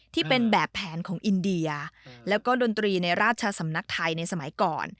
ที่เป็นแบบแผนของอินเดียแล้วก็ดนตรีในราชสำนักไทยในสมัยก่อน